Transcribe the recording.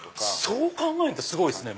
そう考えるとすごいっすね